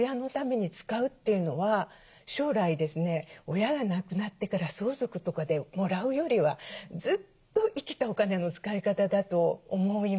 親が亡くなってから相続とかでもらうよりはずっと生きたお金の使い方だと思います。